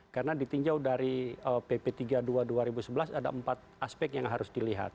karena ditingjau dari pp tiga puluh dua dua ribu sebelas ada empat aspek yang harus dilihat